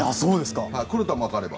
来る球が分かれば。